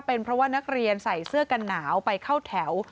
เป็นเพราะว่านักเรียนใส่เสื้อกันหนาวไปเข้าแถว